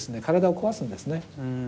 体を壊すんですね。